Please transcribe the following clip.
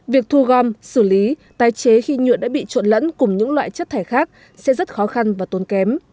việc thu gom xử lý tái chế khi nhựa đã bị trộn lẫn cùng những loại chất thải khác sẽ rất khó khăn và tốn kém